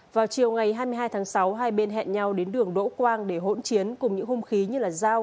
vào chiều ngày hai mươi hai tháng sáu hai bên hẹn nhau đến đường đỗ quang để hỗn chiến cùng những hung khí như dao